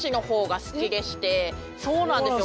そうなんですよ。